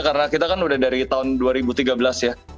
karena kita kan sudah dari tahun dua ribu tiga belas ya